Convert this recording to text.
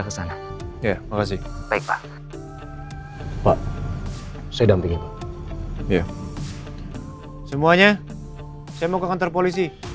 kesana ya makasih baik pak pak saya udah pikir iya semuanya saya mau ke kantor polisi